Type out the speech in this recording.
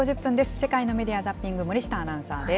世界のメディア・ザッピング、森下アナウンサーです。